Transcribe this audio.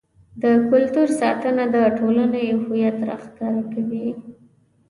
د کلتور ساتنه د ټولنې هویت راښکاره کوي.